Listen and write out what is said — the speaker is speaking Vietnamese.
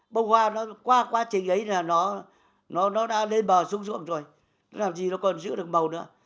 bông hoa nó qua quá trình ấy là nó đã lên bờ xuống ruộng rồi nó làm gì nó còn giữ được màu nữa